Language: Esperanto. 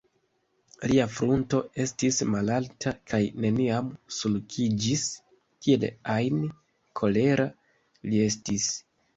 Lia frunto estis malalta kaj neniam sulkiĝis, kiel ajn kolera li estis.